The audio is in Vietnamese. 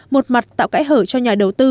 một mặt tạo cãi hở cho nhà đầu tư